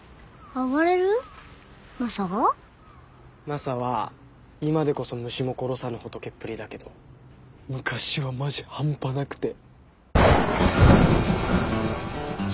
マサは今でこそ虫も殺さぬ仏っぷりだけど昔はマジハンパなくて。